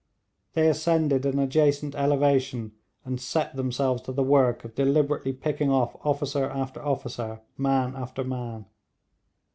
They ascended an adjacent elevation and set themselves to the work of deliberately picking off officer after officer, man after man.